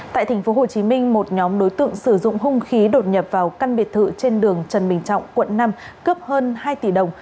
tại tp hcm một nhóm đối tượng sử dụng hung khí đột nhập vào căn biệt thự trên đường trần bình trọng quận năm cướp hơn hai tỷ đồng